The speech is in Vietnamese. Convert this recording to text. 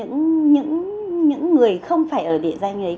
mà để cho những người không phải ở địa danh ấy